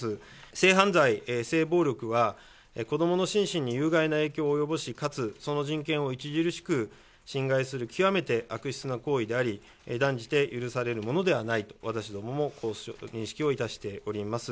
性犯罪、性暴力は子どもの心身に有害な影響を及ぼし、かつその人権を著しく侵害する極めて悪質な行為であり、断じて許されるものではないと、私どももこう認識をいたしております。